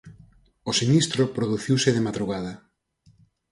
O sinistro produciuse de madrugada.